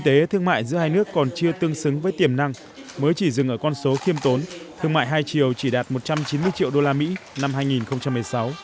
kinh tế thương mại giữa hai nước còn chưa tương xứng với tiềm năng mới chỉ dừng ở con số khiêm tốn thương mại hai chiều chỉ đạt một trăm chín mươi triệu usd năm hai nghìn một mươi sáu